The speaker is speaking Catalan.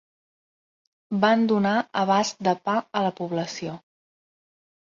Van donar abast de pa a la població.